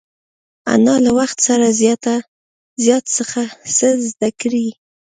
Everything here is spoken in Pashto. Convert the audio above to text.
انا له وخت سره زیات څه زده کړي